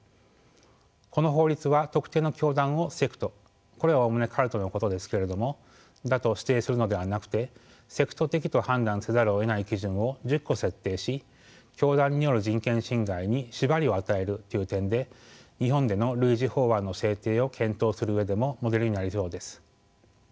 この法律は特定の教団をセクトこれはおおむねカルトのことですけれどもだと指定するのではなくてセクト的と判断せざるをえない基準を１０個設定し教団による人権侵害に縛りを与えるという点で日本での類似法案の制定を検討する上でもモデルになりそうです。